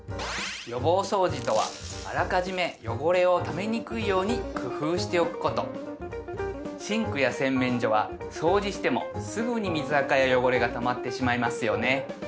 予防掃除とはあらかじめ汚れをためにくいように工夫しておくことシンクや洗面所は掃除してもすぐに水あかや汚れがたまってしまいますよね